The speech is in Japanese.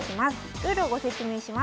ルールをご説明します。